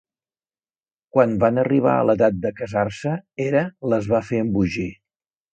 Quan van arribar a l'edat de casar-se, Hera les va fer embogir.